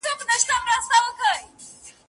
کلی کور مرګ او ماتم دی کښت یې کړی د بمونو